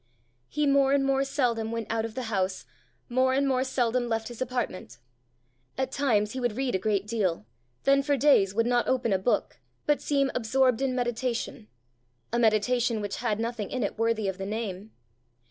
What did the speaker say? He more and more seldom went out of the house, more and more seldom left his apartment. At times he would read a great deal, then for days would not open a book, but seem absorbed in meditation a meditation which had nothing in it worthy of the name.